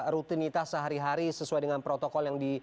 rutinitas sehari hari sesuai dengan protokol yang di